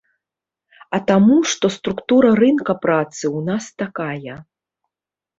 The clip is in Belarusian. А таму, што структура рынка працы ў нас такая.